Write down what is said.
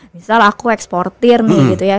misal aku eksportir nih gitu ya